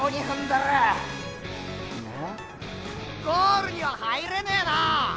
がゴールには入れねーな。